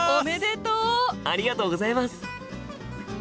ありがとうございます！